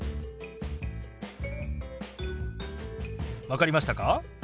分かりましたか？